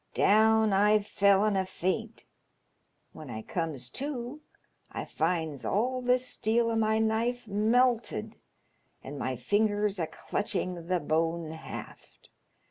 Down I fell in a faint. When I comes to I finds all the steel o' my knife melted, and my fingers a clutching the bone haft.